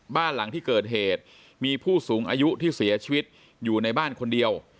บ้านหลังที่เกิดเหตุมีผู้สูงอายุที่เสียชีวิตอยู่ในบ้านคนเดียว